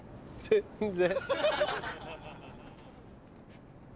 全然。